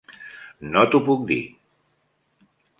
No t'ho puc dir.